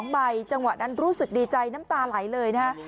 ใบจังหวะนั้นรู้สึกดีใจน้ำตาไหลเลยนะฮะ